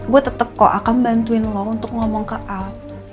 gue tetap kok akan bantuin lo untuk ngomong ke aku